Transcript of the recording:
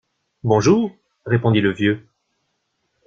Bonjour, répondit le vieux.